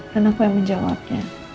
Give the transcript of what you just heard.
dan aku yang menjawabnya